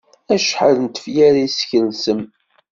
Acḥal n tefyar i skelsen?